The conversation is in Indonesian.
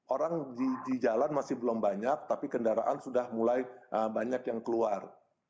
orang di jalan masih belum banyak tapi kendaraan sudah mulai banyak yang keluar